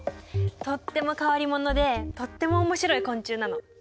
とっても変わり者でとっても面白い昆虫なの。